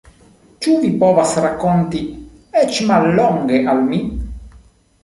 Ĉu vi povas rakonti eĉ mallonge al mi?